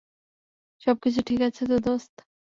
সবকিছু ঠিক আছে তো, দোস্ত?